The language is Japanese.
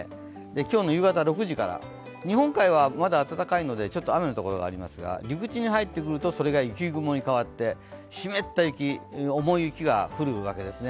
今日の夕方６時から、日本海はまだ暖かいので雨のところがありますが入り口に入ってくるとそれが雪雲に変わって湿った雪、重い雪が降ってくるわけですね。